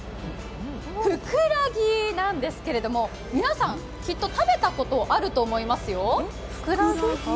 フクラギなんですけれども、皆さん、きっと食べたことあると思いますよ。